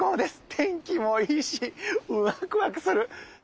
天気もいいしワクワクする。